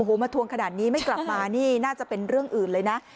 โอ้โหมาทวงขนาดนี้ไม่กลับมานี่น่าจะเป็นเรื่องอื่นเลยนะ